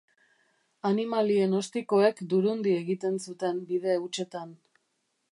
Animalien ostikoek durundi egiten zuten bide hutsetan.